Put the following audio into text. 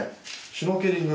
シュノーケリング。